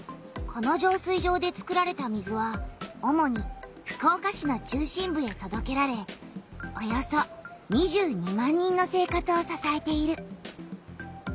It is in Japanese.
この浄水場で作られた水はおもに福岡市の中心部へとどけられおよそ２２万人の生活をささえている。